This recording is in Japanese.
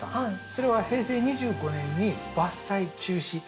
それは平成２５年に伐採中止。